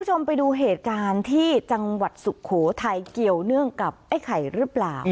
คุณผู้ชมไปดูเหตุการณ์ที่จังหวัดสุโขทัยเกี่ยวเนื่องกับไอ้ไข่หรือเปล่า